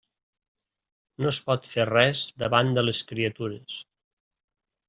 No es pot fer res davant de les criatures.